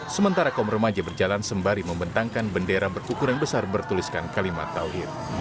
sementara kaum remaja berjalan sembari membentangkan bendera berukuran besar bertuliskan kalimat tawhid